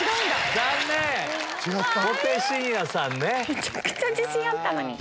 めちゃくちゃ自信あったのに。